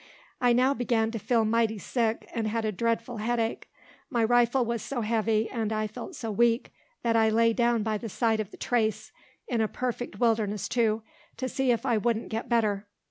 I now began to feel mighty sick, and had a dreadful head ache. My rifle was so heavy, and I felt so weak, that I lay down by the side of the trace, in a perfect wilderness too, to see if I wouldn't get better.